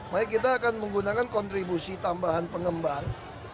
jadi kita akan menggunakan kontribusi tambahan pengembangan